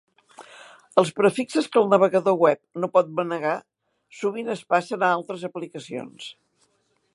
Els prefixes que el navegador web no pot manegar sovint es passen a altres aplicacions.